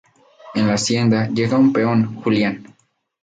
En la hacienda, llega un peón, Julián.